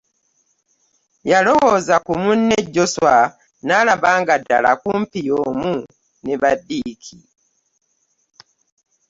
Yalowooza ku munne Joswa n'alaba nga ddala kumpi y'omu ne ba Ddiiki.